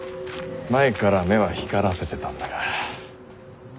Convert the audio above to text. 前から目は光らせてたんだが。